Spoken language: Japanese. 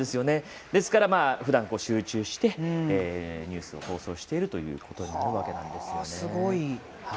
ですから、ふだん集中してニュースを放送しているということになるわけなんです。